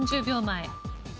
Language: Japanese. ３０秒前。